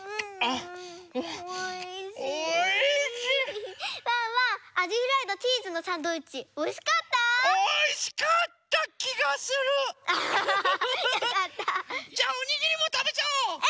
ハハハハハ。じゃあおにぎりもたべちゃおう！